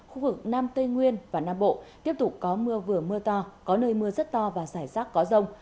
khu vực nam tây nguyên và nam bộ tiếp tục có mưa vừa mưa to có nơi mưa rất to và giải rác có rông